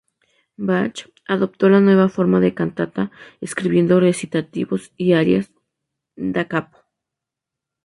Bach adoptó la nueva forma de cantata, escribiendo recitativos y arias "da capo".